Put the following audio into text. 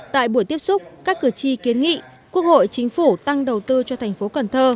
tại buổi tiếp xúc các cử tri kiến nghị quốc hội chính phủ tăng đầu tư cho thành phố cần thơ